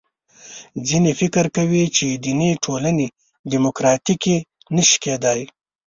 ځینې فکر کوي چې دیني ټولنې دیموکراتیکې نه شي کېدای.